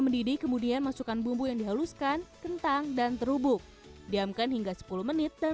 mendidih kemudian masukkan bumbu yang dihaluskan kentang dan terubuk diamkan hingga sepuluh menit dan